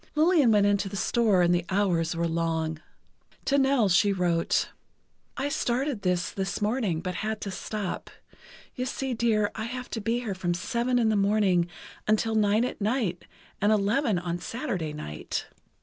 Lillian went into the store and the hours were long. To Nell she wrote: I started this, this morning, but had to stop. You see dear I have to be here from seven in the morning until nine at night, and eleven on Saturday night....